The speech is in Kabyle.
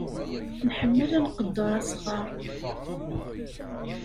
Nḥemmel ad nqedder asɣar.